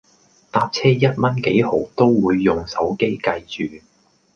搭車一蚊幾毫都會用手機計住